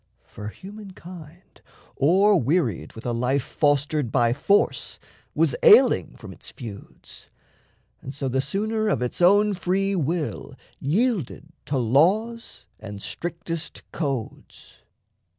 For humankind, o'er wearied with a life Fostered by force, was ailing from its feuds; And so the sooner of its own free will Yielded to laws and strictest codes.